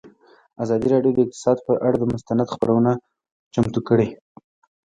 ازادي راډیو د اقتصاد پر اړه مستند خپرونه چمتو کړې.